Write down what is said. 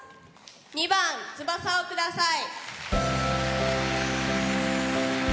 ２番「翼をください」。